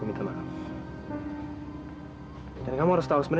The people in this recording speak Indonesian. gue mesti ngomong sesuatu sama rau